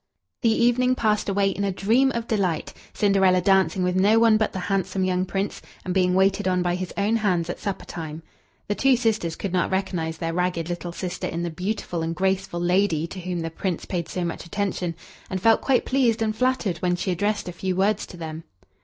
The evening passed away in a dream of delight, Cinderella dancing with no one but the handsome young Prince, and being waited on by his own hands at supper time. The two sisters could not recognize their ragged little sister in the beautiful and graceful lady to whom the Prince paid so much attention, and felt quite pleased and flattered when she addressed a few words to them.